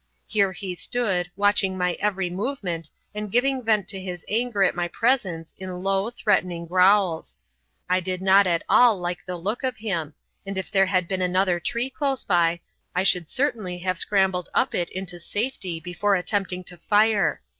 Here he stood, watching my every movement and giving vent to his anger at my presence in low, threatening growls. I did not at all like the look of him, and if there had been another tree close by, I should certainly have scrambled up it into safety before attempting to fire.